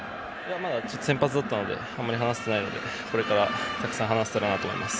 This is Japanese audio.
まだ先発だったのであまり話せていないのでこれから、たくさん話せたらなと思います。